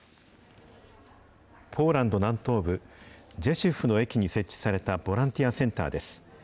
ポーランド南東部ジェシュフの駅に設置されたボランティアセンターです。